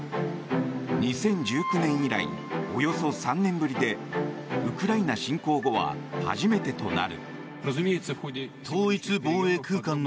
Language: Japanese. ２０１９年以来およそ３年ぶりでウクライナ侵攻後は初めてとなる。